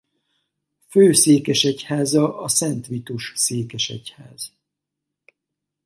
Főszékesegyháza a Szent Vitus-székesegyház.